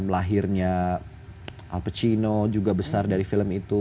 lahirnya al pacino juga besar dari film itu